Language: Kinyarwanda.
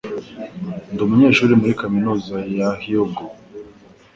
Ndi umunyeshuri muri kaminuza ya Hyogo.